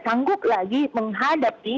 sanggup lagi menghadapi